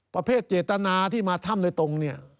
ประเภทเจตนาที่มาถ้ำโดยตรงเนี่ย